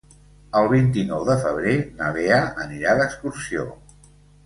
El vint-i-nou de febrer na Lea anirà d'excursió.